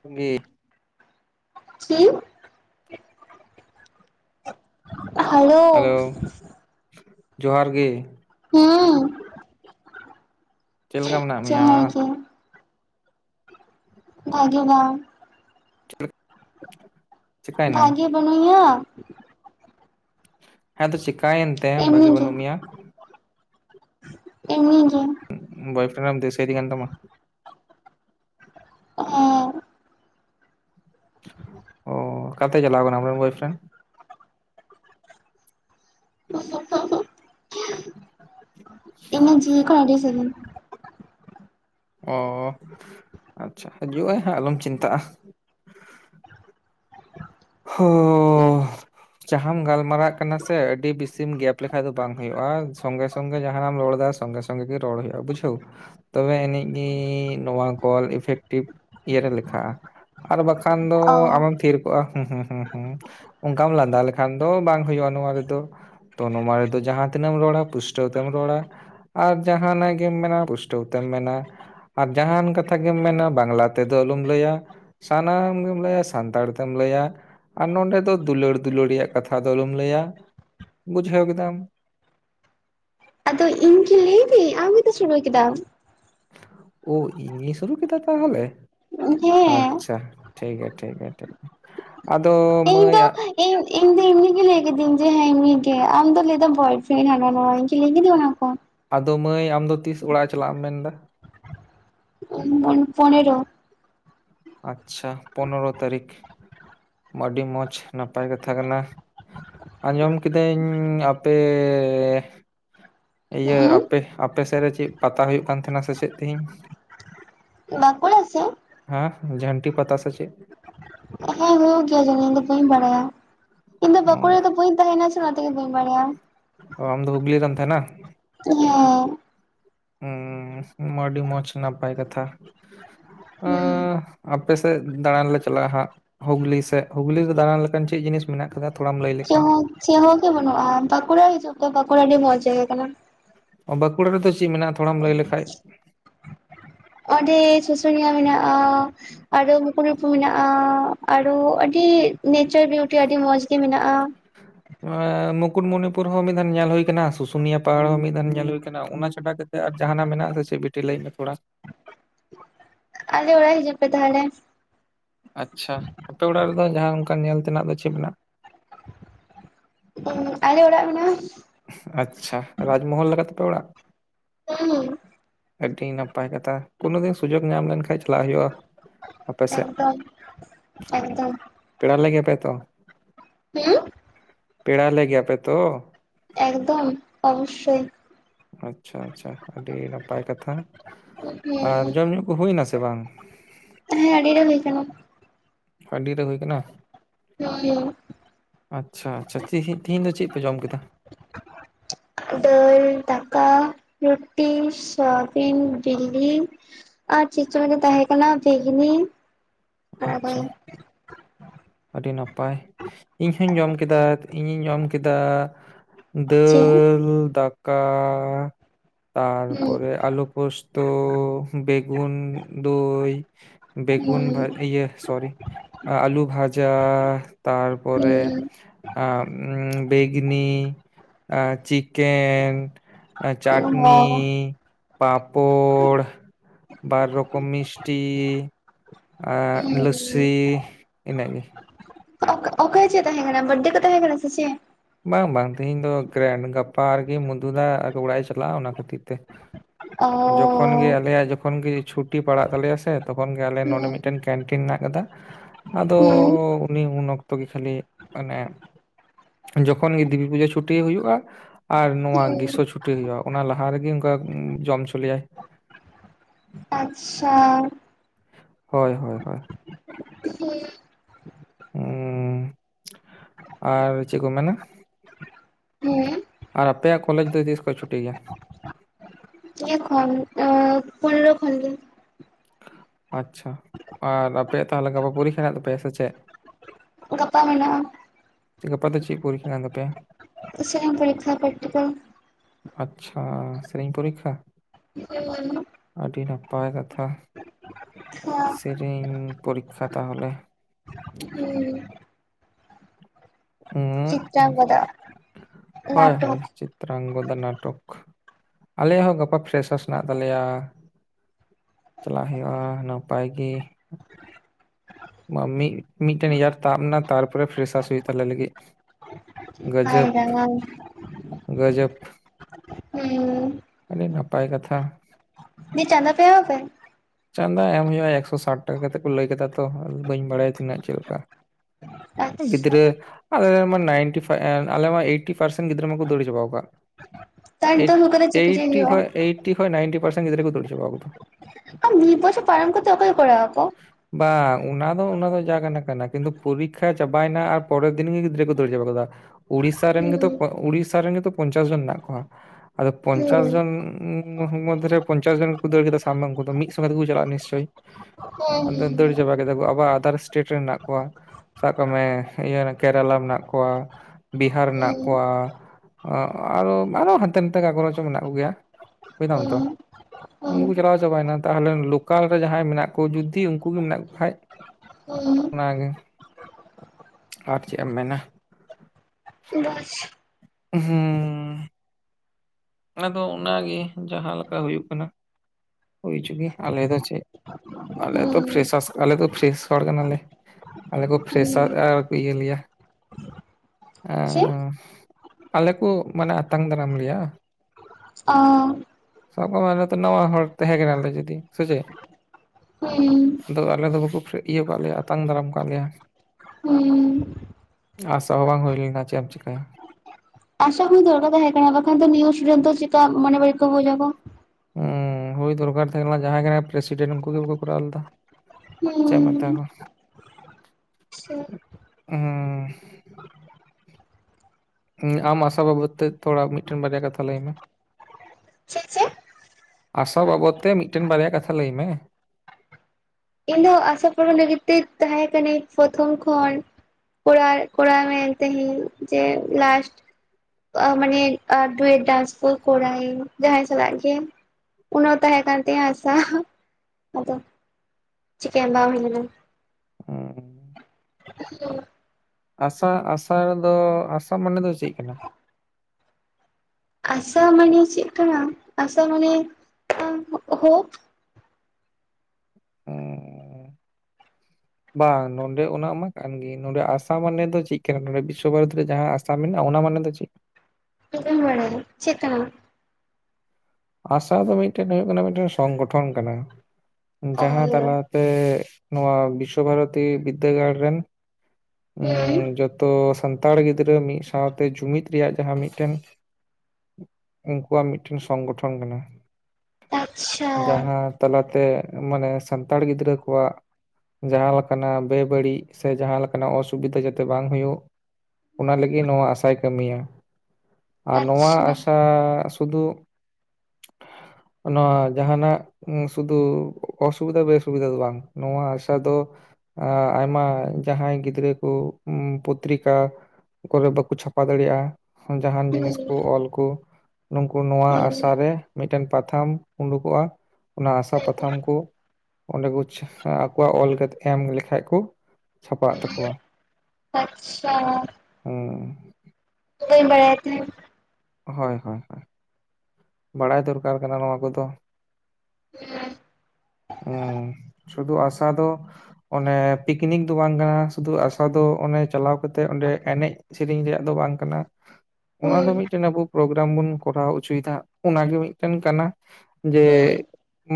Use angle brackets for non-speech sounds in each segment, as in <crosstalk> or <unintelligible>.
ᱛᱚ ᱜᱮ <unintelligible> ᱦᱮᱞᱳ! ᱡᱚᱦᱟᱨ ᱜᱮ᱾ ᱦᱮᱸ ᱪᱮᱫ ᱞᱮᱠᱟ ᱢᱮᱱᱟᱜ ᱢᱮᱭᱟ᱾ ᱵᱷᱟᱜᱮ ᱜᱮ ᱾ <unintelligible> ᱵᱷᱟᱜᱮ ᱵᱟᱹᱱᱩᱭᱟ ᱦᱮᱸᱛᱚ ᱪᱤᱠᱟᱭᱮᱱ ᱛᱮᱢ ᱵᱷᱟᱹᱜᱤ ᱵᱟᱹᱱᱩᱜ ᱢᱮᱭᱟ ᱮᱢᱱᱤ ᱜᱮ ᱵᱚᱭ ᱯᱷᱨᱮᱱᱰ ᱮᱢ ᱫᱤᱥᱟ. ᱭ ᱮ ᱠᱟᱱ ᱛᱟᱢᱟ ᱾ ᱦᱮᱸ ᱚ ᱚᱠᱟᱛᱮ ᱪᱟᱞᱟᱣ ᱠᱟᱱᱟᱭ ᱟᱢᱨᱮᱱ ᱵᱚᱭ ᱯᱷᱨᱮᱱᱰ <unintelligible> ᱤᱧᱟᱜ ᱡᱤᱣᱤ ᱠᱷᱚᱱ ᱟᱹᱰᱤ ᱥᱟᱸᱜᱤᱧ ᱚ ᱟᱪᱪᱷᱟ ᱦᱟᱡᱩᱜᱼᱟᱭ ᱱᱟᱦᱟᱸᱜ ᱟᱞᱚᱢ ᱪᱤᱱᱛᱟᱹᱜᱼᱟ ᱦᱳ ᱻ ᱡᱟᱦᱟᱸᱢ ᱜᱟᱞᱢᱟᱨᱟᱜ ᱠᱟᱱᱟ ᱥᱮ ᱟ. ᱰᱤ ᱵᱮᱥᱤᱢ ᱜᱮᱯ ᱞᱮᱠᱷᱟᱱ ᱫᱚ ᱵᱟᱝ ᱦᱳᱭᱜᱼᱟ ᱥᱚᱸᱜᱮ ᱥᱚᱸᱜᱮ ᱡᱟᱸᱦᱟᱱᱟᱜ ᱮᱢ ᱨᱚᱲ ᱫᱟ ᱥᱚᱸᱜᱮ ᱥᱚᱸᱜᱮ ᱜᱮᱭ ᱨᱚᱲ ᱦᱩᱭᱩᱜᱼᱟ ᱵᱩᱡᱷᱟᱹᱣ ᱛᱚᱵᱮ ᱟᱹᱱᱤᱡ ᱜᱮ ᱱᱚᱣᱟ ᱠᱚᱞ ᱤᱯᱷᱮᱠᱴᱤᱵᱷ ᱤᱭᱮ ᱨᱮ ᱞᱮᱠᱷᱟᱜᱼᱟ ᱟᱨ ᱵᱟᱠᱷᱟᱱ ᱟᱢ ᱫᱚ ᱚ ᱟᱢᱮᱢ ᱛᱷᱤᱨ ᱠᱚᱜᱼᱟ ᱦᱩᱸ ᱦᱩᱸ ᱦᱩᱸ ᱦᱩᱸ ᱱᱚᱝᱠᱟᱢ ᱞᱟᱸᱫᱟ ᱞᱮᱠᱷᱟᱱ ᱫᱚ ᱵᱟᱝ ᱦᱩᱭᱩᱜᱼᱟ ᱱᱚᱣᱟ ᱨᱮᱫᱚ ᱾ ᱛᱚ ᱱᱚᱣᱟ ᱨᱮᱫᱚ ᱡᱟᱦᱟᱸ ᱛᱤᱱᱟᱹᱜ ᱮᱢ ᱨᱚᱲᱟ ᱯᱩᱥᱴᱟᱹᱣ ᱛᱮᱢ ᱨᱚᱲᱟ ᱾ ᱟᱨ ᱡᱟᱦᱟᱸᱱᱟᱜ ᱜᱮᱢ ᱢᱮᱱᱟ ᱯᱩᱥᱴᱟᱹᱣ ᱛᱮᱢ ᱢᱮᱱᱟ ᱾ ᱟᱨ ᱡᱟᱦᱟᱸᱱ ᱠᱟᱛᱷᱟ ᱜᱮᱢ ᱢᱮᱱᱟ ᱵᱟᱝᱞᱟ ᱛᱮᱫᱚ ᱟᱞᱚᱢ ᱞᱟᱹᱭᱟ ᱾ ᱥᱟᱱᱟᱢ ᱜᱮᱢ ᱞᱟᱹᱭᱟ ᱥᱟᱱᱛᱟᱲ ᱛᱮᱢ ᱞᱟᱹᱭᱟ ᱟᱨ ᱱᱚᱸᱰᱮ ᱫᱚ ᱼᱼ ᱫᱩᱞᱟᱹᱲ ᱫᱩᱞᱟᱹᱲᱤ ᱨᱮᱭᱟᱜ ᱠᱟᱛᱷᱟ ᱫᱚ ᱟᱞᱚᱢ ᱞᱟᱹᱭᱟ ᱵᱩᱡᱷᱟᱹᱣ ᱠᱮᱫᱟᱢ ᱾ ᱟᱫᱚ ᱤᱧ ᱠᱤᱱ ᱞᱟᱹᱭ ᱫᱟ. ᱧ ᱟᱢ ᱜᱮᱛ ᱥᱩᱨᱩ ᱠᱮᱫᱟᱢ ᱾ ᱳ ᱤᱧ ᱜᱤᱧ ᱥᱩᱨᱩ ᱠᱮᱫᱟ ᱛᱟᱦᱚᱞᱮ ᱦᱮᱸ ᱟᱪᱷᱟ ᱾ ᱴᱷᱤᱠ ᱜᱮᱭᱟ ᱴᱷᱤᱠ ᱜᱮᱭᱟ ᱴᱷᱤᱠ ᱜᱮᱭᱟ ᱟᱫᱚ ᱤᱧ ᱢᱟᱹᱭ ᱫᱚ ᱾ ᱤᱧ ᱫᱚ ᱮᱢᱱᱤ ᱜᱮ ᱞᱟᱹᱭ ᱠᱤᱫᱤᱧ ᱡᱮ ᱦᱮᱸ ᱮᱢᱱᱤ ᱜᱮ ᱟᱢ ᱫᱚ ᱞᱟᱹᱭ ᱫᱟᱢ ᱵᱚᱭ ᱯᱷᱨᱮᱱᱰ ᱦᱟᱱᱟ ᱱᱚᱣᱟ ᱤᱧ ᱠᱤ ᱞᱟᱹᱭ ᱠᱤᱫᱤᱧ ᱚᱱᱟ ᱠᱚ ᱾ ᱟᱫᱚ ᱢᱟᱹᱭ ᱟᱢᱫᱚ ᱛᱤᱥ ᱚᱲᱟᱜ ᱪᱟᱞᱟᱜ ᱮᱢ ᱢᱮᱱ ᱮᱫᱟ ᱾ ᱯᱚᱱᱮᱨᱚ ᱾ ᱟᱪᱪᱷᱟ ᱯᱚᱱᱮᱨᱚ ᱛᱟᱨᱤᱠᱷ ᱟᱹᱰᱤ ᱢᱚᱸᱡᱽ ᱱᱟᱯᱟᱭ ᱠᱟᱛᱷᱟ ᱠᱟᱱᱟ ᱾ ᱟᱸᱡᱚᱢ ᱠᱤᱫᱟᱹᱧ ᱟᱯᱮ ᱤᱭᱟᱹ ᱦᱩᱸ ᱟᱯᱮ ᱟᱯᱮ ᱥᱮᱫ ᱨᱮ ᱪᱮᱫ ᱯᱟᱛᱟ ᱦᱩᱭᱩᱜ ᱠᱟᱱ ᱛᱟᱸᱦᱮᱱᱟ ᱥᱮ ᱪᱮᱫ ᱛᱮᱦᱮᱧ? ᱵᱟᱸᱠᱩᱲᱟ ᱥᱮᱫ ᱾ ᱦᱮᱸ ᱡᱷᱟᱱᱴᱤ ᱯᱟᱛᱟ ᱥᱮ ᱪᱮᱫ ᱾ ᱦᱮᱸ ᱦᱳᱭᱳᱜ ᱜᱮᱭᱟ ᱡᱟᱱᱤᱡ ᱤᱧ ᱫᱚ ᱵᱟ. ᱧ ᱵᱟᱲᱟᱭᱟ ᱤᱧ ᱫᱚ ᱵᱟᱸᱠᱩᱲᱟ ᱨᱮᱫᱚ ᱵᱟᱹᱧ ᱛᱟᱸᱦᱮᱱᱟ ᱥᱮ ᱚᱱᱟ ᱛᱮᱜᱮ ᱵᱟᱹᱧ ᱵᱟᱲᱟᱭᱟ ᱾ ᱚ ᱟᱢ ᱫᱚ ᱦᱩᱜᱞᱤ ᱨᱮ ᱛᱟᱸᱦᱮᱱᱟ ᱾ ᱦᱮᱸ ᱩᱸᱻ ᱟᱹᱰᱤ ᱢᱚᱡᱽ ᱱᱟᱯᱟᱭ ᱠᱟᱛᱷᱟ- ᱦᱮᱸ ᱟ ᱦᱩᱸ ᱾ ᱟᱯᱮᱥᱮᱫ ᱫᱟᱲᱟᱱ ᱞᱮ ᱪᱟᱞᱟᱜᱼᱟ ᱦᱟᱸᱜ, ᱦᱩᱜᱽᱞᱤ ᱥᱮᱫ, ᱦᱩᱜᱽᱞᱤ ᱨᱮ ᱫᱟᱬᱟᱱ ᱞᱮᱠᱟᱱ ᱪᱮᱫ ᱡᱤᱱᱤᱥ ᱢᱮᱱᱟᱜ-ᱟ? ᱟᱫᱚ ᱛᱷᱚᱲᱟᱢ ᱞᱟᱹᱭ ᱪᱮᱫ ᱞᱮᱠᱷᱟᱱ ᱾ ᱦᱚᱸ ᱪᱮᱫ ᱦᱚᱸ ᱜᱮ ᱵᱟᱹᱱᱩᱜᱼᱟ, ᱵᱟᱸᱠᱩᱲᱟ ᱦᱤᱡᱩᱜ ᱯᱮ ᱵᱟᱸᱠᱩᱲᱟ ᱟᱹᱰᱤ ᱢᱚᱸᱡᱽ ᱡᱟᱭᱜᱟ ᱠᱟᱱᱟ ᱾ ᱵᱟᱸᱠᱩᱲᱟ ᱨᱮᱫᱚ ᱪᱮᱫ ᱢᱮᱱᱟᱜᱼᱟ ᱛᱷᱚᱲᱟᱢ ᱞᱟᱹᱭ ᱞᱮᱠᱷᱟᱱ? ᱚᱸᱰᱮ ᱥᱩᱥᱩᱱᱤᱭᱟ ᱢᱮᱱᱟᱜᱼᱟ᱾ ᱟᱨᱚ <inaudible> <inaudible> ᱢᱮᱱᱟᱜᱼᱟ ᱟᱨᱚ ᱟᱹᱰᱤ ᱱᱮᱪᱟᱨ ᱵᱤᱭᱩᱴᱤ ᱟᱹᱰᱤ ᱢᱚᱸᱡᱽ ᱜᱮ ᱢᱮᱱᱟᱜᱼᱟ ᱢᱩᱠᱩᱴᱢᱩᱱᱤᱯᱩᱨ ᱦᱚᱸ ᱢᱤᱫ ᱫᱷᱟᱣ ᱧᱮᱞ ᱦᱩᱭ ᱟᱠᱟᱱᱟ ᱥᱩᱥᱩᱱᱤᱭᱟ ᱯᱟᱦᱟᱲ ᱦᱚᱸ ᱢᱤᱫ ᱫᱷᱟᱣ ᱧᱮᱞ ᱦᱩᱭᱩ ᱟᱠᱟᱱᱟ᱾ ᱚᱱᱟ ᱪᱷᱟᱰᱟ ᱠᱟᱛᱮ ᱟᱨ ᱡᱟᱦᱟᱸᱱᱟᱜ ᱢᱮᱱᱟᱜ ᱫᱚ ᱪᱮᱫ ᱵᱤᱴᱤ ᱞᱟᱹᱭ ᱢᱮ ᱛᱷᱚᱲᱟ ᱟᱞᱮ ᱚᱲᱟᱜ ᱦᱤᱡᱩᱜ ᱯᱮ ᱛᱟᱦᱚᱞᱮ ᱾ ᱟᱪᱷᱟ ᱟᱯᱮ ᱚᱲᱟᱜ ᱨᱮᱫᱚ ᱡᱟᱦᱟᱸ ᱚᱱᱠᱟ ᱧᱮᱞ ᱛᱮᱱᱟᱜ ᱫᱚ ᱪᱮᱫ ᱢᱮᱱᱟᱜᱼᱟ? ᱦᱚᱸ ᱟᱞᱮ ᱚᱲᱟᱜ ᱢᱮᱱᱟᱜᱼᱟ ᱟᱪᱪᱷᱟ ᱨᱟᱡᱽᱢᱚᱦᱚᱞ ᱞᱮᱠᱟ ᱛᱟᱯᱮ ᱚᱲᱟᱜ ᱾ ᱦᱩᱸ ᱟᱹᱰᱤ ᱱᱟᱯᱟᱭ ᱠᱟᱛᱷᱟ, ᱠᱳᱱᱳ ᱫᱤᱱ ᱥᱩᱡᱳᱜ ᱧᱟᱢ ᱞᱮᱱᱠᱷᱟᱱ‌ ᱪᱟᱞᱟᱣ ᱦᱩᱭᱩᱜᱼᱟ ᱾ ᱮᱠᱫᱚᱢ ᱮᱠᱫᱚᱢ ᱯᱮᱲᱟ ᱞᱮᱜᱮᱭᱟ ᱯᱮ ᱛᱚ ᱾ ᱦᱩᱸ ᱯᱮᱲᱟ ᱞᱮ ᱜᱮᱭᱟᱯᱮ ᱛᱚ ᱮᱠᱫᱚᱢ ᱚᱵᱚᱥᱥᱚᱭ ᱟᱪᱪᱷᱟ ᱟᱪᱪᱷᱟ ᱟᱹᱰᱤ ᱱᱟᱯᱟᱭ ᱠᱟᱛᱷᱟ ᱦᱩᱸ ᱟᱨ ᱡᱚᱢ ᱧᱩ ᱠᱚ ᱦᱩᱭᱱᱟ ᱥᱮ ᱵᱟᱝ? ᱦᱮᱸ ᱟᱹᱰᱤ ᱨᱮ ᱦᱩᱭ ᱟᱠᱟᱱᱟ᱾ ᱟᱸᱰᱤ ᱨᱮ ᱦᱩᱭ ᱠᱟᱱᱟᱹ ᱦᱳᱭ ᱦᱳᱭ ᱟᱪᱪᱷᱟ ᱟᱪᱪᱷᱟ ᱛᱤᱦᱤ ᱛᱤᱦᱤᱧ ᱫᱚ ᱪᱮᱫ ᱯᱮ ᱡᱚᱢ ᱠᱮᱫᱟ? <inaudible> ᱫᱟᱹᱞ ᱫᱟᱠᱟ ᱨᱩᱴᱤ ᱥᱳᱭᱟᱵᱤᱱ ᱵᱤᱞᱤ ᱟᱨ ᱪᱮᱫ ᱪᱚᱝ ᱛᱟᱦᱮᱠᱟᱱᱟ ᱠᱟᱱᱟ ᱵᱮᱜᱱᱤ ᱟᱪᱪᱷᱟ ᱟᱹᱰᱤ ᱱᱟᱯᱟᱭ ᱤᱧ ᱦᱚᱧ ᱡᱚᱢ ᱠᱮᱫᱟ ᱤᱧᱤᱧ ᱡᱚᱢ ᱠᱮᱫᱟᱸ ᱪᱮᱫ ᱫᱟᱹᱞ ᱫᱟᱠᱟ ᱛᱟᱨᱯᱚᱨᱮ ᱟᱞᱩ ᱯᱳᱥᱛᱚ ᱵᱮᱜᱩᱱ ᱫᱟᱹᱭ ᱵᱮᱜᱩᱱ ᱵᱷᱟ ᱤᱭᱟᱹ ᱥᱚᱨᱤ ᱟᱞᱩ ᱵᱷᱟᱡᱟ ᱛᱟᱨᱯᱚᱨᱮ ᱟᱸᱜ ᱵᱮᱜᱽᱱᱤ ᱮᱸ ᱪᱤᱠᱮᱱ ᱮᱸ ᱪᱟᱴᱱᱤ ᱯᱟᱯᱚᱲ ᱵᱟᱨ ᱨᱚᱠᱚᱢ ᱢᱤᱥᱴᱤ ᱟᱨ ᱞᱩᱥᱥᱤ ᱤᱱᱟᱹᱜ ᱜᱮ ᱚᱠᱚ ᱚᱠᱚᱭᱟᱜ ᱪᱮᱫ ᱛᱟᱦᱮᱸ ᱠᱟᱱᱟ᱾ ᱵᱟᱰᱮ ᱠᱚ ᱛᱟᱦᱮᱸ ᱠᱟᱱᱟ ᱥᱮ ᱪᱮᱫ? ᱵᱟᱝ ᱵᱟᱝ ᱛᱮᱦᱤᱧ ᱫᱚ ᱜᱨᱮᱱ ᱜᱟᱯᱟ ᱟᱨᱠᱤ ᱢᱩᱫᱷᱩ ᱫᱟ ᱟᱠᱚ ᱚᱲᱟᱜ ᱮ ᱪᱟᱞᱟᱜᱼᱟ ᱚᱱᱟ ᱠᱷᱟᱹᱛᱤᱨ ᱛᱮ᱾ ᱡᱚᱠᱷᱚᱱ ᱜᱮ ᱚ ᱟᱞᱮᱭᱟᱜ ᱡᱚᱠᱷᱚᱱ ᱜᱮ ᱪᱷᱩᱴᱤ ᱯᱟᱲᱟᱜ ᱛᱟᱞᱮᱭᱟ ᱥᱮ ᱛᱚᱠᱷᱚᱱ ᱜᱮ ᱟᱞᱮ ᱱᱚᱰᱮ ᱢᱤᱫᱴᱮᱱ ᱦᱩᱸ <unintelligible> ᱢᱮᱱᱟᱜ ᱠᱟᱫᱟ ᱟᱫᱚ ᱩᱱᱤ ᱩᱱ ᱚᱠᱛᱚ ᱜᱮ ᱠᱷᱟᱹᱞᱤ ᱚᱱᱮ ᱡᱚᱠᱷᱚᱱ ᱜᱮ ᱫᱮᱵᱤ ᱯᱩᱡᱟᱹ ᱪᱷᱩᱴᱤ ᱦᱩᱭᱩᱜᱼᱟ ᱟᱨ ᱱᱚᱣᱟ ᱦᱩᱸ ᱜᱤᱨᱥᱚ ᱪᱷᱩᱴᱤ ᱦᱳᱭᱳᱜ-ᱟ ᱚᱱᱟ ᱞᱟᱦᱟ ᱨᱮᱜᱮ ᱚᱱᱠᱟ ᱡᱚᱢ ᱦᱚᱪᱚ ᱞᱮᱭᱟᱭ ᱟᱪᱷᱟ ᱦᱳᱭ ᱦᱳᱭ ᱦᱳᱭ <unintelligible> ᱩᱸ ᱟᱨ ᱪᱮᱫ ᱠᱚ ᱢᱮᱱᱟ ᱦᱮᱸ ᱟᱨ ᱟᱯᱮᱭᱟᱜ ᱠᱚᱞᱮᱡᱽ ᱫᱚ ᱛᱤᱥ ᱠᱷᱚᱡ ᱪᱷᱩᱴᱤ ᱜᱮᱭᱟ? ᱤᱭᱟᱹ ᱠᱷᱚᱱ ᱮᱸ ᱯᱳᱭᱞᱳ ᱠᱷᱚᱱ ᱜᱮ ᱟᱪᱪᱷᱟ ᱟᱨ ᱟᱯᱮᱭᱟᱜ ᱛᱟᱦᱚᱞᱮ ᱜᱟᱯᱟ ᱯᱚᱨᱤᱠᱠᱷᱟ ᱦᱮᱱᱟᱜ ᱛᱟᱯᱮᱭᱟ ᱥᱮ ᱪᱮᱫ? <unintelligible> ᱢᱮᱱᱟᱜᱼᱟ ᱜᱟᱯᱟ ᱫᱚ ᱪᱮᱫ ᱯᱚᱨᱤᱠᱠᱷᱟ ᱠᱟᱱ ᱛᱟᱯᱮᱭᱟ? ᱮᱥᱟᱭᱤᱱ ᱯᱚᱨᱤᱠᱠᱷᱟ ᱯᱨᱮᱠᱴᱤᱠᱮᱞ ᱟᱪᱷᱟ ᱥᱮᱨᱮᱧ ᱯᱚᱨᱤᱠᱠᱷᱟ ᱦᱩᱸ ᱟᱹᱰᱤ ᱱᱟᱯᱟᱭ ᱠᱟᱛᱷᱟ ᱦᱩᱸ ᱥᱮᱨᱤᱧ ᱯᱚᱨᱤᱠᱠᱷᱟ ᱛᱟᱦᱚᱞᱮ ᱩᱸᱜ <unintelligible> ᱱᱟᱴᱚᱠ ᱛᱨᱚᱝᱜᱚ ᱫᱚ ᱱᱟᱴᱚᱠ, ᱟᱞᱮᱭᱟᱜ ᱦᱚᱸ ᱜᱟᱯᱟ ᱯᱷᱨᱮᱥᱟᱥ ᱦᱮᱱᱟᱜ ᱛᱟᱞᱮᱭᱟ᱾ ᱪᱟᱞᱟᱜ ᱦᱩᱭᱩᱜᱼᱟ ᱱᱟᱯᱟᱭ ᱜᱮ ᱵᱟᱝ ᱢᱤᱫ ᱢᱤᱫᱴᱮᱱ ᱤᱭᱟᱨ ᱛᱟᱯ ᱱᱟ ᱛᱟᱨᱯᱚᱨᱮ ᱯᱷᱨᱮᱥᱟᱥ ᱦᱩᱭᱩᱜ ᱛᱟᱞᱮ ᱞᱟᱹᱜᱤᱫ ᱜᱟᱡᱟᱯ ᱜᱟᱡᱟᱯ ᱦᱩᱸ ᱟᱹᱰᱤ ᱱᱟᱯᱟᱭ ᱠᱟᱛᱷᱟ <unintelligible> ᱪᱟᱸᱫᱟ ᱯᱮ ᱮᱢᱟ ᱯᱮ ᱪᱟᱸᱫᱟ ᱮᱢ ᱦᱩᱭᱩᱜᱼᱟ ᱮᱠᱥᱚ ᱥᱟᱴ ᱴᱟᱠᱟ ᱠᱟᱛᱮᱫ ᱠᱚ ᱞᱟᱹᱭ ᱠᱮᱫᱟ ᱛᱚ ᱟᱫᱚ ᱵᱟᱹᱧ ᱵᱟᱲᱟᱭᱟ ᱛᱤᱱᱟᱹᱜ ᱪᱮᱫ ᱞᱮᱠᱟ᱾ ᱜᱤᱫᱽᱨᱟᱹ ᱟᱞᱮᱢᱟ ᱱᱟᱭᱤᱱᱴᱤ ᱟᱞᱮᱢᱟ ᱮᱭᱤᱴᱴᱤ ᱯᱟᱨᱥᱮᱱᱴ ᱜᱤᱫᱽᱨᱟᱹ ᱢᱟᱠᱚ ᱫᱟᱹᱲᱤ ᱪᱟᱵᱟ ᱠᱟᱜ᱾ ᱮᱭᱮᱴ, ᱮᱭᱮᱴᱴᱤ, ᱮᱭᱮᱴᱴᱤ ᱠᱷᱚᱱ ᱱᱟᱴᱤ ᱯᱟᱨᱥᱮᱱᱴ ᱜᱤᱫᱽᱨᱟᱹ ᱠᱚ ᱫᱟᱹᱲ ᱪᱟᱵᱟ ᱠᱟᱫᱟ᱾ ᱢᱤᱫ ᱵᱚᱪᱮ ᱯᱟᱨᱟᱢ ᱠᱚᱛᱮ ᱚᱠᱚᱭᱮ ᱠᱚᱨᱟᱣ ᱠᱚᱣᱟ ᱵᱟᱝ ᱚᱱᱟ ᱫᱚ ᱚᱱᱟ ᱫᱚ ᱡᱟ ᱠᱟᱱᱟ ᱠᱟᱱᱟ ᱠᱤᱱᱛᱩ ᱯᱚᱨᱤᱠᱠᱷᱟ ᱪᱟᱵᱟᱭᱱᱟ ᱟᱨ ᱯᱚᱨᱮᱨ ᱫᱤᱱᱜ ᱜᱤᱫᱽᱨᱟᱹ ᱠᱚ ᱫᱟᱹᱲ ᱪᱟᱵᱟ ᱠᱮᱫᱟ᱾ ᱩᱲᱤᱥᱥᱟ ᱨᱮᱱ ᱜᱮᱛᱚ ᱩᱲᱤᱥᱥᱟ ᱨᱮᱱ ᱜᱮᱛᱚ ᱯᱚᱧᱪᱟᱥ ᱡᱚᱱ ᱢᱮᱱᱟᱜ ᱠᱚᱣᱟ᱾ ᱟᱫᱚ ᱯᱚᱧᱪᱟᱥ ᱡᱚᱱ ᱢᱩᱫᱽᱫᱷᱮᱨᱮ ᱯᱚᱧᱪᱟᱥ ᱡᱚᱱ ᱠᱚ ᱫᱟᱹᱲ ᱠᱮᱫᱟ, ᱥᱟᱵ ᱢᱮ ᱩᱱᱠᱩ ᱫᱚ ᱢᱤᱫ ᱥ ᱠᱚ ᱪᱟᱞᱟᱜᱼᱟ ᱱᱤᱥᱪ ᱫᱟᱹᱲ ᱪᱟᱵᱟ ᱠᱮᱫᱟ ᱠᱚ ᱟᱵᱟᱨ ᱟᱫᱟᱨ ᱮᱴᱮᱴ ᱨᱮ ᱢᱮᱱᱟᱜ ᱠᱚᱣᱟ ᱥᱟᱵ ᱠᱟᱜ ᱢᱮ ᱤᱭᱟᱹ ᱠᱮᱨᱟᱞᱟ ᱢᱮᱱᱟᱜ ᱠᱚᱣᱟ, ᱵᱤᱦᱟᱨ ᱢᱮᱱᱟᱜ ᱠᱚᱣᱟ, ᱚ ᱟᱨᱚ, ᱟᱨᱚ ᱦᱟᱱᱛᱮ ᱱᱟᱛᱮ ᱚᱠᱟ ᱠᱚᱨᱮᱪᱚ ᱢᱮᱱᱟᱜ ᱠᱚᱜᱮᱭᱟ, ᱵᱩᱡ ᱫᱟᱢ ᱛᱚ᱾ ᱩᱱᱠᱩ ᱠᱚ ᱪᱟᱞᱟᱣ ᱪᱟᱵᱟᱭᱮᱱᱟ, ᱛᱟᱦᱚᱞᱮ ᱞᱳᱠᱟᱞ ᱨᱮ ᱡᱟᱦᱟᱸᱭ ᱢᱮᱱᱟᱜ ᱠᱚ ᱡᱫᱤ ᱩᱱᱠᱩ ᱜᱮ ᱢᱮᱱᱟᱜ ᱠᱚ ᱠᱷᱟᱡ, ᱦᱩᱸ ᱚᱱᱟᱜᱮ ᱟᱨ ᱪᱮᱫ ᱮᱢ ᱢᱮᱱᱟ ᱵ ᱦᱩᱸ ᱟᱫᱚ ᱚᱱᱟᱜᱮ ᱡᱟᱦᱟᱸ ᱞᱮᱠᱟ ᱦᱩᱭᱩᱜ ᱠᱟᱱᱟ, ᱦᱩᱭᱪᱤ ᱟᱞᱮ ᱫᱚ ᱪᱮᱫ᱾ ᱟᱞᱮ ᱫᱚ ᱯᱷᱨᱮᱥ ᱟᱞᱮ ᱫᱚ ᱯᱷᱨᱮᱥ ᱦᱚᱲ ᱠᱟᱱᱟᱞᱮ᱾ ᱟᱞᱮ ᱠᱚ ᱯᱷᱨᱮᱥᱟ ᱠᱚ ᱤᱭᱟᱹ ᱞᱮᱭᱟ᱾ ᱟᱞᱮ ᱠᱚ ᱢᱟᱱᱮ ᱟᱛᱟᱝ ᱫᱟᱨᱟᱢ ᱞᱮᱭᱟ ᱚᱻ ᱥᱟ ᱠᱚ ᱢᱮ ᱛᱚ ᱱᱟᱣᱟ ᱦᱚᱲᱛᱮ ᱦ ᱱᱟᱞᱮ ᱡᱩᱫᱤ ᱥᱩᱡᱮ ᱦᱩᱸ ᱟᱫᱚ ᱟᱞᱮ ᱫᱚ ᱵᱟᱠᱚ ᱤᱭᱟᱹ ᱠᱫᱟᱜ ᱞᱮᱭᱟ ᱟᱛᱟᱝ ᱫᱟᱨᱟᱢ ᱟᱠᱟᱫ ᱞᱮᱭᱟ᱾ ᱦᱮᱸ ᱟᱥ ᱦᱚᱸᱵᱷᱟᱝ ᱦᱩᱭ ᱱᱟᱪ ᱟᱢ ᱪᱮᱠᱟ ᱟᱥᱟ ᱠᱚ ᱫᱚᱨᱠᱟ ᱦ ᱠᱟᱱᱟ ᱵᱟᱠᱷᱟᱱ ᱱᱤᱭ ᱥᱩ ᱫᱚ ᱪᱤᱠᱟ ᱢᱚᱱᱮ ᱵᱟᱹᱲᱤᱡ ᱠᱚ ᱵᱩᱡᱟᱠᱚ ᱦᱸ ᱦᱳᱭ ᱫᱚᱨᱠᱟᱨ ᱛᱟᱦᱮᱸ ᱞᱮ ᱠᱟᱱᱟ ᱡᱟᱦᱟᱸᱭ ᱠᱟᱱᱟ ᱯᱨᱮᱥᱤᱰᱮᱱᱴ ᱩᱱᱠᱩ ᱜᱮ ᱵᱟᱠᱚ ᱠᱚᱨᱟᱣ ᱞᱮᱫᱟ ᱾ ᱪᱮᱫ ᱢᱮᱛᱟ ᱠᱚ, ᱦᱩᱸ᱾ ᱩᱸ ᱟᱢ ᱟᱥᱟ ᱵᱟᱵᱚᱛ ᱛᱮ ᱛᱷᱚᱲᱟ ᱢᱤᱫᱴᱮᱱ ᱵᱟᱨᱭᱟ ᱠᱟᱛᱷᱟ ᱞᱟᱹᱭ ᱢᱮ᱾ <unintelligible> ᱟᱥᱟ ᱵᱟᱵᱚᱛ ᱛᱮ ᱢᱤᱫᱴᱮᱱ ᱵᱟᱨᱭᱟ ᱠᱟᱛᱷᱟ ᱞᱟᱹᱭ ᱢᱮ᱾ ᱤᱧ ᱫᱚ ᱟᱥᱟ ᱯᱩᱨᱚᱱ ᱞᱟᱹᱜᱤᱫ ᱛᱮ ᱛᱟᱦᱮᱸ ᱠᱟᱱᱟᱹᱧ ᱯᱨᱚᱛᱷᱚᱢ ᱠᱷᱚᱱ᱾ ᱠᱚᱨᱟᱣ ᱠᱚᱨᱟᱣ ᱢᱮᱱ ᱛᱮᱦᱤᱧ ᱡᱮ ᱞᱟᱥᱴ ᱢᱟᱱᱮ ᱟᱫᱳ ᱰᱟᱱᱥ ᱠᱚᱨᱟᱣ ᱤᱧ ᱡᱟᱦᱟᱸᱟᱭ ᱥᱟᱞᱟᱜ ᱜᱮ ᱩᱱᱟᱹ ᱛᱟᱦᱮᱸ ᱠᱟᱱ ᱛᱤᱧᱟᱹ ᱟᱥᱟ, ᱟᱫᱚ ᱪᱤᱠᱮᱱ ᱵᱟᱝ ᱦᱩᱭᱞᱮᱱᱟ ᱦᱮᱸ <inaudible> ᱟᱥᱟ ᱟᱥᱟ ᱨᱮᱫᱚ ᱟᱥᱟ ᱢᱟᱱᱮ ᱫᱚ ᱪᱮᱫ ᱠᱟᱱᱟ ᱟ ᱢᱟᱱᱮ ᱪᱮᱫ ᱠᱟᱱᱟ ᱟᱥᱟ ᱢᱟᱱᱮ ᱩᱸ <inaudible> ᱵᱟᱝ ᱱᱚᱰᱮ ᱚᱱᱟ ᱢᱟ ᱠᱟᱱ ᱜᱮ ᱱᱚᱰᱮ ᱟᱥᱟᱢ ᱢᱟᱱᱮ ᱫᱚ ᱪᱮᱫ ᱠᱟᱱᱟ ᱱᱚᱰᱮ ᱵᱤᱥᱥᱚ ᱵᱷᱟᱨᱚᱛᱤ ᱨᱮ ᱡᱟᱦᱟᱸ ᱪᱟᱢᱤᱱ ᱚᱱᱟ ᱢᱟᱱᱮ ᱫᱚ ᱪᱮᱫ? <unintelligible> ᱪᱮᱫ ᱠᱟᱱᱟ ᱟᱥᱟ ᱫᱚ ᱢᱤᱫᱴᱮᱱ ᱦᱩᱭᱩᱜ ᱠᱟᱱᱟ ᱢᱤᱫᱴᱮᱱ ᱥᱚᱝᱜᱚᱴᱷᱚᱱ ᱠᱟᱱᱟ, ᱚ ᱡᱟᱦᱟᱸ ᱛᱟᱞᱟ ᱦᱩᱸ ᱮᱻ ᱱᱚᱣᱟ ᱵᱤᱥᱥᱚ ᱵᱷᱟᱨᱚᱛᱤ ᱵᱤᱫᱽᱫᱟᱹᱜᱟᱲ ᱨᱮᱱ ᱩᱸ ᱡᱚᱛᱚ ᱥᱟᱱᱛᱟᱲ ᱜᱤᱫᱽᱨᱟᱹ ᱢᱤᱫ ᱥᱟᱶᱛᱮ ᱡᱩᱢᱤᱫ ᱨᱮᱭᱟᱜ ᱡᱟᱦᱟᱸᱦᱟ ᱢᱤᱫᱴᱮᱱ ᱩᱱᱠᱩᱣᱟᱜ ᱢᱤᱫᱴᱮᱱ ᱥᱚᱝᱜᱚᱴᱷᱚᱱ ᱠᱟᱱᱟ ᱟᱪᱪᱷᱟ ᱡᱟᱦᱟᱸ ᱛᱟᱞᱟᱛᱮ ᱢᱟᱱᱮ ᱥᱟᱱᱛᱟᱲ ᱜᱤᱫᱽᱨᱟᱹ ᱠᱚᱣᱟᱜ ᱡᱟᱦᱟᱸ ᱞᱮᱠᱟᱱᱟᱜ ᱵᱮᱵᱟᱹᱲᱤᱡ ᱥᱮ ᱡᱟᱦᱟᱸ ᱞᱮᱠᱟ ᱚᱥᱩᱵᱤᱫᱷᱟ ᱡᱟᱛᱮ ᱵᱟᱝ ᱦᱩᱭᱩᱜᱜ ᱚᱱᱟ ᱞᱟᱹᱜᱤᱫ ᱱᱚᱣᱟ ᱟᱥᱟᱭ ᱠᱟᱹᱢᱤᱭᱟ ᱟᱨ ᱱᱚᱣᱟ ᱟᱪᱪᱷᱟ ᱟᱥᱟ ᱥᱩᱫᱩ <inaudible> ᱱᱚᱣᱟ ᱡᱟᱦᱟᱸᱱᱟᱜ ᱥᱩᱫᱩ ᱚᱥᱩᱵᱤᱫᱷᱟ ᱵᱥᱩᱵᱤᱫᱟ ᱫᱚ ᱵᱟᱝ ᱱᱚᱣᱟ ᱟᱥᱟ ᱫᱚ ᱟᱭᱢᱟ ᱡᱟᱦᱟᱸᱭ ᱜᱮ ᱜᱤᱫᱽᱨᱟᱹ ᱠᱚ ᱯᱚᱛᱨᱤᱠᱟ ᱠᱚᱨᱮ ᱵᱟᱠᱚ ᱪᱷᱟᱯᱟ ᱫᱟᱲᱮᱭᱟᱜᱼᱟ ᱡᱟᱦᱟᱱ ᱦᱩᱸ ᱡᱤᱱᱤᱥᱠᱩ ᱚᱞᱠᱩ ᱱᱩᱠᱩ ᱱᱚᱣᱟ ᱦᱩᱸ ᱟᱥᱟᱨᱮ ᱢᱤᱫᱴᱮᱱ ᱯᱟᱛᱷᱟᱢ ᱩᱰᱩᱠᱚᱜᱼᱟ ᱚᱱᱟ ᱦᱥᱟ ᱯᱟᱛᱷᱟᱢ ᱠᱚ ᱚᱸᱰᱮ ᱠᱚ <unintelligible> ᱟᱠᱚᱣᱟᱜ ᱚᱞ ᱠᱟᱛᱮ ᱮᱢ ᱞᱮᱠᱷᱟᱡ ᱠᱚ ᱪᱷᱟᱯᱟᱜ ᱛᱟᱠᱚᱣᱟ᱾ ᱟᱪᱪᱷᱟ ᱦᱩᱸ ᱵᱟᱧ ᱵᱟᱰᱟᱭ ᱛᱟᱦᱮᱱ <unintelligible> ᱦᱚᱭ ᱦᱚᱭ ᱦᱚᱭ ᱵᱟᱲᱟᱭ ᱫᱚᱨᱠᱟᱨ ᱠᱟᱱᱟ ᱱᱚᱣᱟ ᱠᱚᱫᱚ <inaudible> ᱦᱩᱸ ᱥᱩᱫᱩ ᱟᱥᱟ ᱫᱚ ᱚᱱᱮ ᱯᱤᱠᱱᱤᱠ ᱫᱚ ᱵᱟᱝ ᱠᱟᱱᱟ ᱥᱩᱫᱩ ᱟᱥᱟ ᱫᱚ ᱚᱱᱮ ᱪᱟᱞᱟᱣ ᱠᱟᱛᱮᱜ ᱚᱸᱰᱮ ᱮᱱᱮᱡ ᱥᱮᱨᱮᱧ ᱨᱮᱭᱟᱜ ᱫᱚ ᱵᱟᱝ ᱠᱟᱱᱟ ᱚᱱᱟ ᱫᱚ ᱦᱩᱸ ᱢᱤᱫᱴᱮᱱ ᱟᱵᱚ ᱯᱨᱳᱜᱨᱟᱢ ᱵᱩᱱ ᱠᱚᱨᱟᱣ ᱚᱪᱚᱭᱮᱫᱟ ᱚᱱᱟᱜᱮ ᱢᱤᱫᱴᱮᱱ ᱠᱟᱱᱟ᱾ ᱡᱮ ᱦᱩᱸ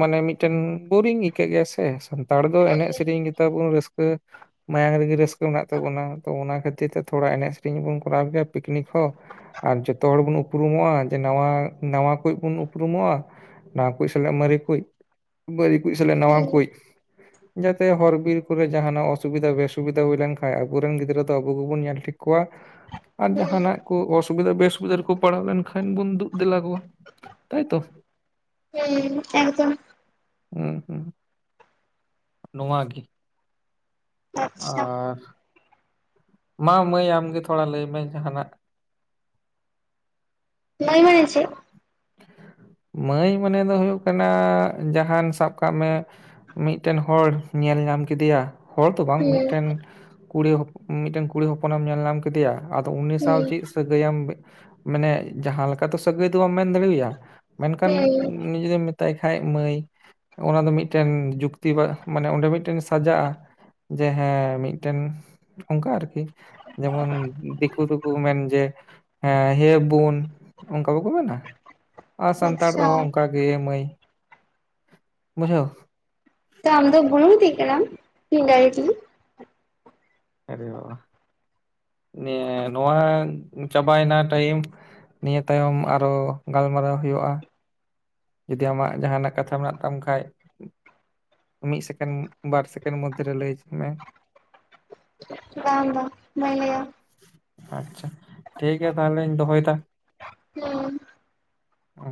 ᱢᱟᱱᱮ ᱢᱤᱫᱴᱮᱱ ᱵᱳᱨᱤᱝ ᱟᱹᱭᱠᱟᱹᱜ ᱜᱮᱭᱟ ᱥᱮ ᱥᱟᱱ ᱥᱟᱱᱛᱟᱲ ᱫᱚ ᱮᱱᱮᱡ ᱥᱮᱨᱮᱧ ᱜᱮᱛᱟᱵᱚᱱ ᱨᱟᱹᱥᱠᱟᱹ ᱢᱟᱭᱟᱝ ᱨᱮᱜᱮ ᱨᱟᱹᱥᱠᱟᱹ ᱢᱮᱱᱟᱜ ᱛᱟᱵᱚᱱᱟ ᱛᱚ ᱚᱱᱟ ᱠᱷᱟᱹᱛᱤᱨ ᱛᱮ ᱛᱷᱚᱲᱟ ᱮᱱᱮᱡ ᱥᱮᱨᱮᱧ ᱵᱚᱱ ᱠᱚᱨᱟᱣ ᱜᱮᱭᱟ ᱯᱤᱠᱱᱤᱠ ᱦᱚᱸ ᱟᱨ ᱡᱚᱛᱚ ᱦᱚᱲ ᱵᱚᱱ ᱩᱯᱨᱩᱢᱚᱜᱼᱟ ᱡᱮ ᱱᱟᱣᱟ ᱱᱟᱣᱟ ᱠᱚ ᱵᱚᱱ ᱩᱯᱨᱩᱢᱚᱜᱼᱟ ᱱᱟ ᱠᱩ ᱥᱟᱞᱟᱜ ᱢᱟᱨᱮ ᱠᱩ ᱢᱟᱨᱟᱹᱨᱮ ᱠᱩ ᱥᱟᱞᱟᱜ ᱱᱟᱣᱟ ᱠᱩ ᱡᱟᱛᱮ ᱦᱚᱨ ᱵᱤᱨ ᱠᱚᱨᱮ ᱡᱟᱦᱱᱟᱜ ᱚᱥᱩᱵᱤᱫᱟ ᱵᱥᱩᱵᱤᱫᱷᱟ ᱦ ᱦᱩᱭ ᱞᱮᱱ ᱠᱷᱟᱱ ᱟᱵᱚᱨᱮᱱ ᱜᱤᱫᱽᱨᱟᱹ ᱫᱚ ᱟᱵᱚ ᱜᱮᱵᱚᱱ ᱧᱮᱞ ᱴᱷᱤᱠ ᱠᱚᱣᱟ ᱟᱨ ᱡᱟᱦᱟᱱᱟᱜ ᱠᱚ ᱚᱥᱩᱵᱤᱫᱟ ᱵᱥᱩᱵᱤᱫᱟ ᱨᱮᱠᱚ ᱯᱟᱲᱟᱣ ᱞᱮᱱᱠᱷᱟᱱ ᱵᱚᱱ ᱫᱩᱜ ᱫᱮᱞᱟ ᱠᱚᱣᱟ ᱛᱟᱭ ᱛᱚ ᱦᱮᱸ ᱮᱠᱫᱚᱢ ᱦᱩ ᱦᱩᱸ ᱱᱚᱣᱟ ᱜᱮ ᱟᱨ ᱢᱟ ᱢᱟᱹᱭ ᱟᱢᱜᱮ ᱛᱷᱚᱲᱟ ᱞᱟᱹᱭᱢᱮ ᱡᱟᱦᱟᱱᱟᱜ ᱵᱟᱹᱝ ᱢᱮᱪ <unintelligible> ᱢᱟᱹᱭ ᱢᱟᱱᱮ ᱫᱚ ᱦᱩᱭᱩᱜ ᱠᱟᱱᱟ ᱡᱟᱦᱟᱱ ᱥᱟᱵ ᱠᱟᱜ ᱢᱮ ᱢᱤᱫᱴᱮᱱ ᱦᱚᱲ ᱧᱮᱞ ᱧᱟᱢ ᱠᱮᱫᱮᱭᱟ ᱦᱚᱲ ᱫᱚᱚ ᱵᱟᱝ ᱢᱤᱫᱴᱮᱱ ᱠᱩᱲᱤ ᱦᱚ ᱢᱤᱫᱴᱮᱱ ᱠᱩᱲᱤ ᱦᱚᱯᱚᱱᱮᱢ ᱧᱮᱞ ᱧᱢ ᱠᱮᱫᱮᱭᱟ ᱟᱫᱚ ᱩᱱᱤ ᱥᱟᱶ ᱪᱮᱫ ᱥᱟᱹᱜᱟᱹᱭᱟᱢ ᱢᱟᱱᱮ ᱡᱟᱦᱟᱸ ᱞᱮᱠᱟ ᱫᱚ ᱥᱟᱹᱜᱟᱹᱭ ᱫᱚ ᱵᱟᱢ ᱢᱮᱱ ᱫᱟᱲᱮᱣᱟᱭᱟ ᱢᱮᱱᱠᱷᱟᱱ ᱩᱱᱤ ᱡᱩᱫᱤᱢ ᱢᱮᱛᱟᱭ ᱠᱷᱟᱱ ᱢᱟᱹᱭ ᱚᱱᱟ ᱫᱚ ᱢᱤᱫᱴᱮᱱ ᱡᱩᱠᱛᱤ ᱵᱟ ᱢᱟᱱᱮ ᱚᱸᱰᱮ ᱢᱤᱫᱴᱮᱱ ᱥᱟᱡᱟᱜᱼᱟ᱾ ᱡᱟ ᱦᱮᱸ ᱢᱤᱫᱴᱮᱱ ᱚᱱᱠᱟ ᱟᱨᱠᱤ ᱡᱮᱢᱚᱱ ᱫᱤᱠᱩ ᱫᱚᱠᱚ ᱢᱮᱱ ᱡᱮ ᱦᱮᱸ ᱦᱮᱵᱩᱱ ᱚᱱᱠᱟ ᱵᱟᱠᱚ ᱢᱮᱱᱟ ᱟᱨ ᱥᱟᱱᱛᱟᱲ ᱛᱮᱦᱚᱸ ᱚᱱᱠᱟ ᱜᱮ ᱢᱟᱹᱭ ᱵᱩᱡᱷᱟᱹᱣ ᱛᱚ ᱟᱢ ᱫᱚ ᱵ <unintelligible> <unintelligible> ᱟᱨᱮ ᱵᱟᱵᱟ ᱱᱮ ᱱᱚᱣᱟ ᱪᱟᱵᱟᱭᱮᱱᱟ ᱴᱟᱭᱤᱢ ᱱᱤᱭᱟᱹ ᱛᱟᱭᱚᱢ ᱟᱨᱚ ᱜᱟᱞᱢᱟᱨᱟᱣ ᱦᱩᱭᱩᱜᱼᱟ ᱡᱚᱫᱤ ᱟᱢᱟᱜ ᱡᱟᱦᱟᱱᱟᱜ ᱠᱟᱛᱷᱟ ᱢᱮᱱᱟᱜ ᱛᱟᱢ ᱠᱷᱟᱡ ᱢᱤᱫ ᱥᱮᱠᱮᱱᱰ ᱵᱟᱨ ᱥᱮᱠᱮᱱᱰ ᱢᱚᱫᱽᱫᱷᱮ ᱨᱮ ᱞᱟᱹᱭ ᱦᱚᱪᱚ ᱢᱮ ᱵᱟᱝ ᱫᱚ ᱵᱟᱝ ᱞᱟᱤᱭᱟ ᱟᱪᱪᱷᱟ ᱴᱷᱤᱠᱜᱮᱭᱟ ᱛᱟᱦᱚᱞᱮᱧ ᱫᱚᱦᱚᱭᱫᱟ ᱾ ᱚ